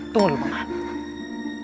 tunggu dulu baman